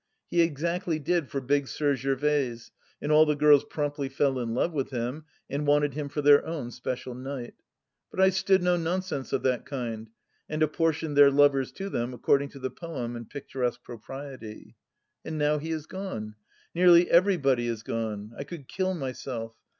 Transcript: He exactly did for "Big Sir Gervaise," and all the girls promptly fell in love with him and wanted him for their own special knight. But I stood no nonsense of that kind, and apportioned their lovers to them according to the poem and picturesque propriety. And now he is gone. Nearly everybody is gone. I could kill myself.